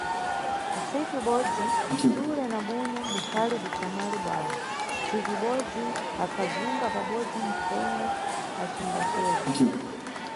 Ntsiku ibodzi, xule na bunyu ukhali buxamwali bwawo, ntsiku ibodzi akhazunga pabodzi nthengo acimbaceza.